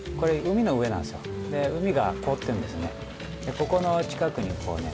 これここの近くにこう